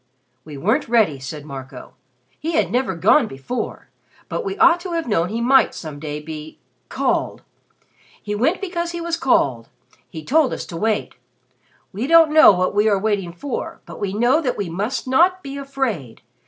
"We weren't ready," said Marco. "He had never gone before; but we ought to have known he might some day be called. He went because he was called. He told us to wait. We don't know what we are waiting for, but we know that we must not be afraid.